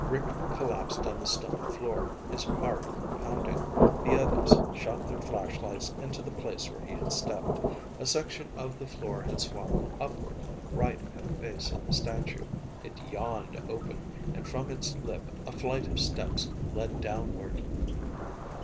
Rick collapsed on the stone floor, his heart pounding The others shot their flashlights into the place where he had stepped. A section of the floor had swung upward, right at the base of the statue. It yawned open, and from its lip a flight of steps led downward.